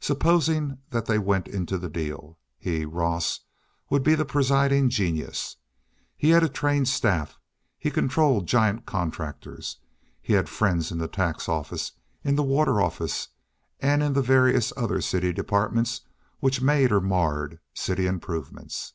Supposing that they went into the deal, he, Ross, would be the presiding genius. He had a trained staff, he controlled giant contractors, he had friends in the tax office, in the water office, and in the various other city departments which made or marred city improvements.